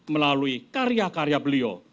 melalui karya karya beliau